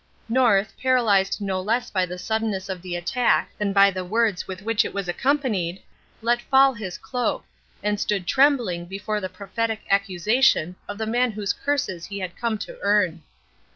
North, paralysed no less by the suddenness of the attack than by the words with which it was accompanied, let fall his cloak, and stood trembling before the prophetic accusation of the man whose curses he had come to earn.